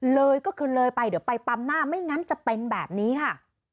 เลยก็คือเลยไปเดี๋ยวไปปั๊มหน้าไม่งั้นจะเป็นแบบนี้ค่ะ